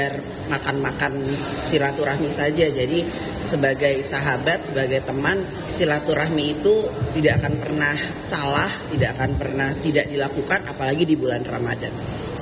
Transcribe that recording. puan tidak akan dilakukan selama ramadhan